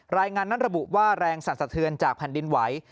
รายงานนั้นระบุว่าแรงสั่นสะเทือนจากแผ่นดินไหว